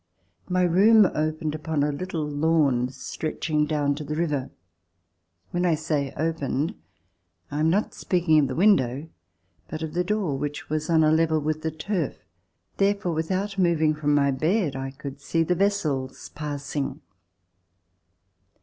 My room opened upon a Httle lawn stretching down to the river. When I say *' opened," I am not speaking of the window, but of the door which was on a level with the turf. Therefore, without moving from my bed, I could see the vessels passing.